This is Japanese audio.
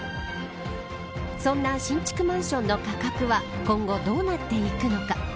そんな新築マンションの価格は今後どうなっていくのか。